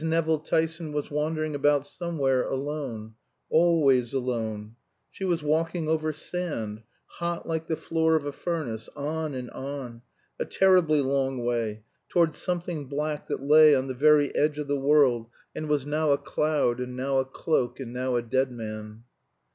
Nevill Tyson was wandering about somewhere alone, always alone; she was walking over sand, hot like the floor of a furnace, on and on, a terribly long way, towards something black that lay on the very edge of the world and was now a cloud, and now a cloak, and now a dead man.